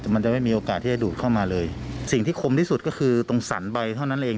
แต่มันจะไม่มีโอกาสที่จะดูดเข้ามาเลยสิ่งที่คมที่สุดก็คือตรงสรรใบเท่านั้นเอง